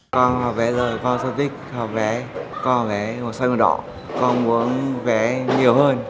con học vẽ rồi con rất thích học vẽ con học vẽ màu xanh màu đỏ con muốn vẽ nhiều hơn